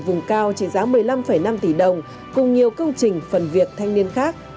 vùng cao trị giá một mươi năm năm tỷ đồng cùng nhiều công trình phần việc thanh niên khác